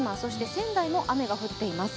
仙台も雨が降っています。